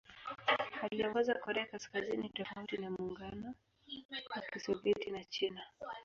Aliongoza Korea Kaskazini tofauti na Muungano wa Kisovyeti na China.